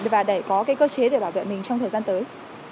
và để có cơ chế để bảo vệ mình trong thời gian tới